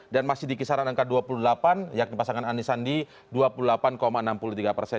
dan masih di kisaran angka dua puluh delapan yakni pasangan anisandi dua puluh delapan enam puluh tiga persen